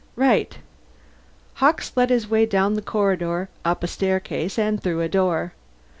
"Right." Hawkes led the way down the corridor, up a staircase, and through a door.